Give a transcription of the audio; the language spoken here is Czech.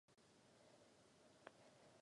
Filip Springer žije a tvoří ve Varšavě.